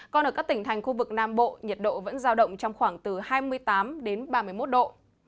còn ở các tỉnh thành khu vực nam bộ nhiệt độ vẫn giao động trong khoảng từ hai mươi tám đến ba mươi một độ